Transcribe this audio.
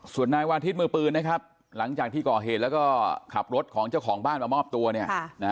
ส่วนนายวาทิศมือปืนนะครับหลังจากที่ก่อเหตุแล้วก็ขับรถของเจ้าของบ้านมามอบตัวเนี่ย